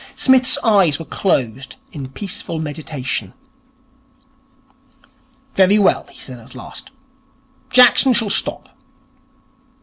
Psmith's eyes were closed in peaceful meditation. 'Very well,' said he at last. 'Jackson shall stop.'